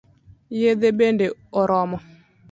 Yedhe bende oromo?